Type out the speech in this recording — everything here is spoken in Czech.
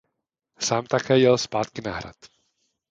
Sám také jel zpátky na hrad.